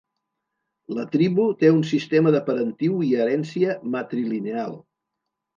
La tribu té un sistema de parentiu i herència matrilineal.